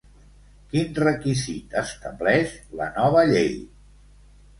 Quin requisit estableix la nova llei?